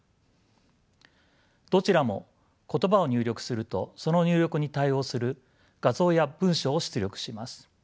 どちらも言葉を入力するとその入力に対応する画像や文章を出力します。